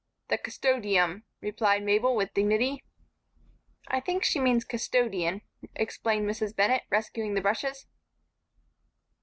"The Custodium," replied Mabel, with dignity. "I think she means 'Custodian.'" explained Mrs. Bennett, rescuing the brushes.